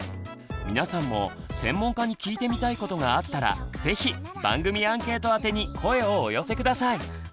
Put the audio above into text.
皆さんも専門家に聞いてみたいことがあったら是非番組アンケート宛てに声をお寄せ下さい。